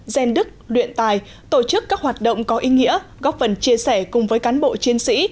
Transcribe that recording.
gian đức luyện tài tổ chức các hoạt động có ý nghĩa góp phần chia sẻ cùng với cán bộ chiến sĩ